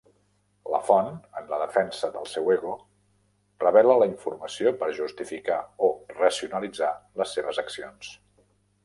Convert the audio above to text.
La font, en la defensa del seu ego, revela la informació per justificar o racionalitzar les seves accions.